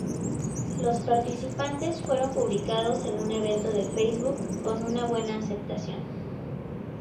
Los participantes fueron publicados en un evento de Facebook con una buena aceptación.